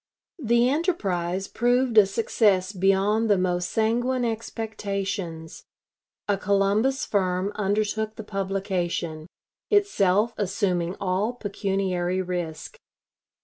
The enterprise proved a success beyond the most sanguine expectations. A Columbus firm undertook the publication, itself assuming all pecuniary risk.